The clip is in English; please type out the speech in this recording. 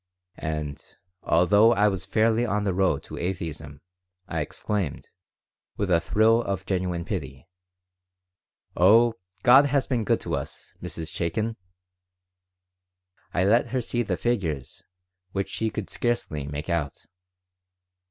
And, although I was fairly on the road to atheism, I exclaimed, with a thrill of genuine pity, "Oh, God has been good to us, Mrs. Chaikin!" I let her see the figures, which she could scarcely make out.